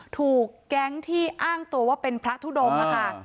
ถูกแก๊งที่อ้างตัวว่าเป็นพระทุดงค่ะ